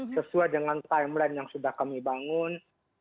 sesuai dengan timeline yang sudah kami bangun